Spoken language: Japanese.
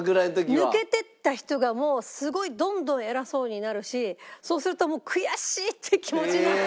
抜けてった人がもうすごいどんどん偉そうになるしそうするともう悔しい！って気持ちになって。